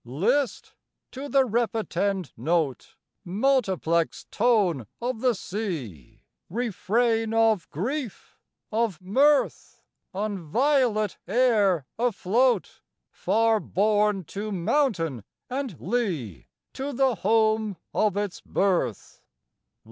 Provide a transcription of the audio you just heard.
List to the repetend note, Multiplex tone of the sea, Refrain of grief, of mirth, On violet air afloat Far borne to mountain and lea, To the home of its birth.